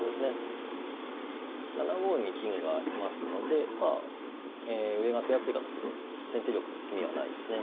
７五に金がいますのでまあ上が手厚い形で先手玉に詰みはないですね。